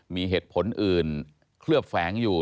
มีเหตุผลอื่นเคลือบแฝงอยู่